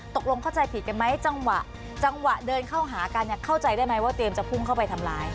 เข้าใจผิดกันไหมจังหวะจังหวะเดินเข้าหากันเนี่ยเข้าใจได้ไหมว่าเตรียมจะพุ่งเข้าไปทำร้าย